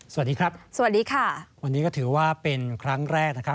สวัสดีครับสวัสดีค่ะวันนี้ก็ถือว่าเป็นครั้งแรกนะครับ